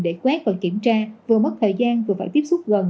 để quét và kiểm tra vừa mất thời gian vừa phải tiếp xúc gần